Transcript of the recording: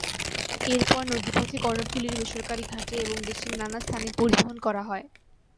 এরপর নদীপথে কর্ণফুলীর বেসরকারি ঘাটে এবং দেশের নানা স্থানে পরিবহন করা হয়।